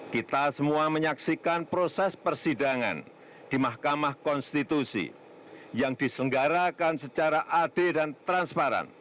kita semua menyaksikan proses persidangan di mahkamah konstitusi yang disenggarakan secara adil dan transparan